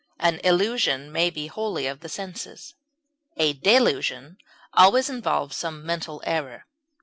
An illusion may be wholly of the senses; a delusion always involves some mental error.